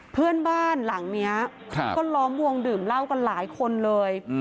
บ้านหลังนี้ก็ล้อมวงดื่มเหล้ากันหลายคนเลย